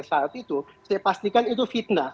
saat itu saya pastikan itu fitnah